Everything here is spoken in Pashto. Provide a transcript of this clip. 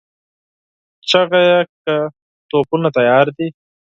چيغه يې کړه! توپونه تيار دي؟